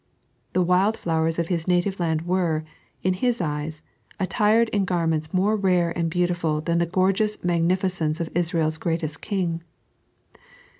The wild flowers of His native laud were, in His eyes, attired in garments mote rare and beautiful than the gorgeous magnificence of Israel's greatest king.